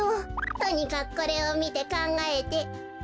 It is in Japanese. とにかくこれをみてかんがえて。